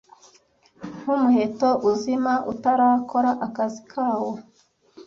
nkumuheto uzima utarakora akazi kawo